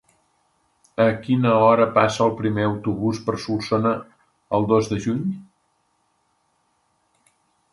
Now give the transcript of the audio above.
A quina hora passa el primer autobús per Solsona el dos de juny?